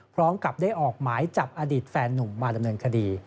พร้อมกับได้ออกหมายจับอดีตแฟนนุ่มมาดำเนินคดี